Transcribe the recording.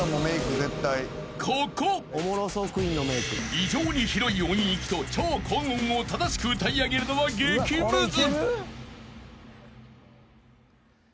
［異常に広い音域と超高音を正しく歌い上げるのは激ムズ］